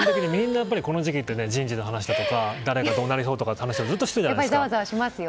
この時期って人事の話とか誰がどうなりそうってずっとしているじゃないですか。